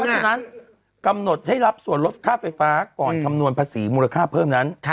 ฉะนั้นกำหนดให้รับส่วนลดค่าไฟฟ้าก่อนคำนวณภาษีมูลค่าเพิ่มนั้น